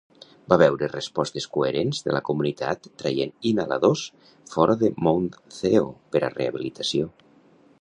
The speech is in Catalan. Va veure respostes coherents de la comunitat traient inhaladors fora de Mount Theo per a rehabilitació.